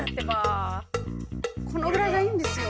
このぐらいがいいんですよ。